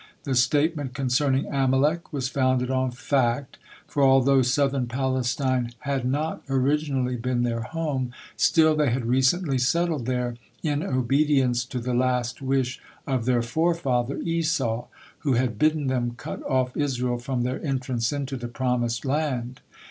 The statement concerning Amalek was founded on fact, for although southern Palestine had not originally been their home, still they had recently settled there in obedience to the last wish of their forefather Esau, who had bidden them cut off Israel from their entrance into the promised land.